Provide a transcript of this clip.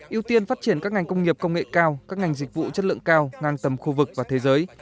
yêu tiên phát triển các ngành công nghiệp công nghệ cao các ngành dịch vụ chất lượng cao ngang tầm khu vực và thế giới